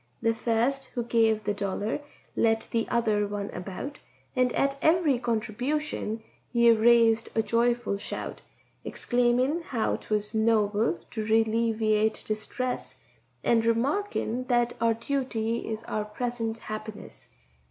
The first who gave the dollar led the other one about, And at every contribution he a raised a joyful shout, Exclaimin' how 'twas noble to relieviate distress, And remarkin' that our duty is our present happiness.